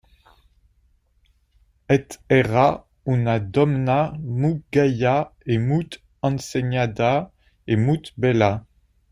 Et era una domna mout gaia e mout enseignada e mout bella.